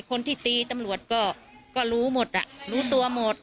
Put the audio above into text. คนที่ตีตำรวจก็รู้หมดอ่ะรู้ตัวหมด